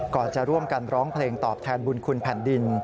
จะร่วมกันร้องเพลงตอบแทนบุญคุณแผ่นดิน